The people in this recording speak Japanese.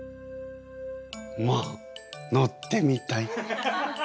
まあ乗ってみたい。